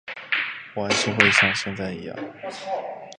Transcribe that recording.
我还会是像现在一样